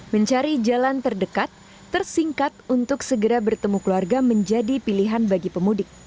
mencari jalan terdekat tersingkat untuk segera bertemu keluarga menjadi pilihan bagi pemudik